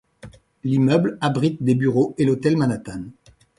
L'immeuble abrite des bureaux et l'hôtel Manhattan.